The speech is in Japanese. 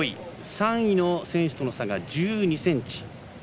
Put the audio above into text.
３位の選手との差が１２ｃｍ。